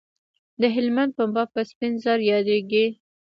د هلمند پنبه په سپین زر یادیږي